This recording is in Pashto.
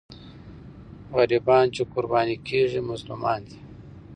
غریبان چې قرباني کېږي، مظلومان دي.